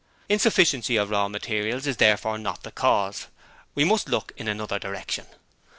'Insufficiency of raw material is therefore not the cause. We must look in another direction.